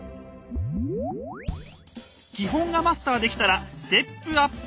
基本がマスターできたらステップアップ！